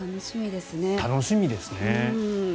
楽しみですね。